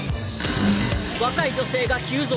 若い女性が急増！